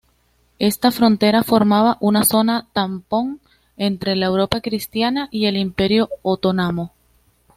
Esta frontera formaba una zona tampón entre la Europa Cristiana y el Imperio otomano.